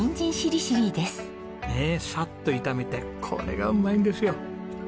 ねえさっと炒めてこれがうまいんですよ。